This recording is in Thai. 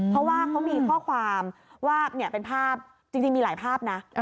เพราะว่าเขามีข้อความว่าเป็นภาพจริงมีหลายภาพนะ